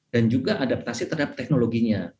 dan juga adaptasi terhadap teknologinya